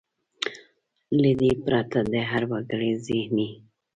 له دې پرته د هر وګړي زهني .